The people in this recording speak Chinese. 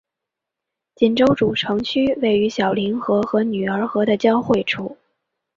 锦州主城区位于小凌河和女儿河的交汇处。